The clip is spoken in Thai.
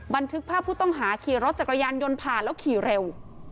บันทึกภาพผู้ต้องหาขี่รถจักรยานยนต์ผ่านแล้วขี่เร็ว